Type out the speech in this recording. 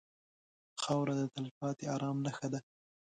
خاوره د تلپاتې ارام نښه ده.